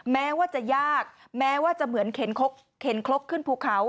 แม้ว่าจะยากแม้ว่าจะเหมือนเข็นครกขึ้นภูเขา